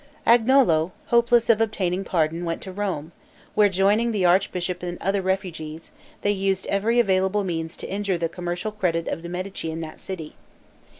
Agnolo, hopeless of obtaining pardon, went to Rome, where, joining the archbishop and other refugees, they used every available means to injure the commercial credit of the Medici in that city.